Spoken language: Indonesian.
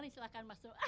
silakan masuk hahaha